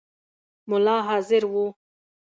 مُلا حاضر وو.